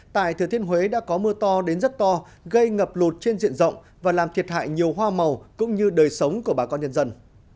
tại thừa thiên huế đã có mưa to đến rất to gây ngập lụt trên diện rộng và làm thiệt hại nhiều hoa màu cũng như đời sống của bà con nhân dân